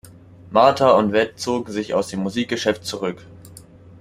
Martha und Vet zogen sich aus dem Musikgeschäft zurück.